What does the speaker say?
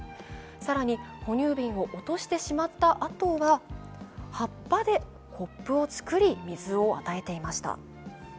更に、哺乳瓶を落としてしまったあとは、葉っぱでコップを作り水を与えていました。